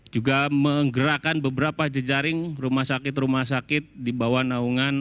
juga menggerakkan beberapa jejaring rumah sakit rumah sakit di bawah naungan